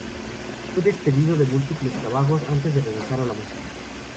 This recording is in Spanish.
Fue despedido de múltiples trabajos, antes de regresar a la música.